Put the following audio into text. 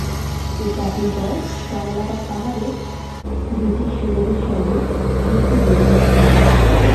এর চারদিন পর জালালাবাদ পাহাড়ে ব্রিটিশ সৈন্যদের সঙ্গে যুদ্ধে জয়ী হয়েছিলেন।